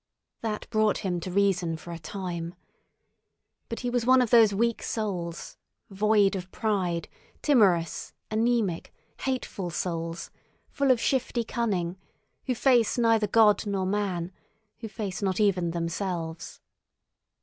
That brought him to reason for a time. But he was one of those weak creatures, void of pride, timorous, anæmic, hateful souls, full of shifty cunning, who face neither God nor man, who face not even themselves.